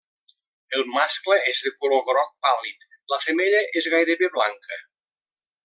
El mascle és de color groc pàl·lid; la femella és gairebé blanca.